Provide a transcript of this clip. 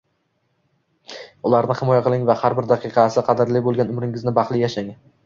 ularni himoya qiling va har bir daqiqasi qadrli bo’lgan umringizni baxtli yashang